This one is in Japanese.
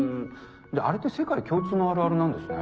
あれって世界共通のあるあるなんですね。